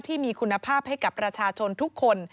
ที่มีคุณภาพให้กับประชาชนทุกคน